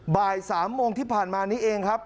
บ่าย๓โมงที่ผ่านมานี้เองครับ